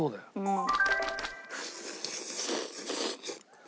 うん！